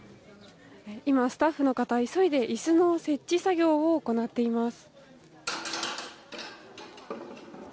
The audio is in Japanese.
今スタッフの方急いで椅子の設置作業を行っています。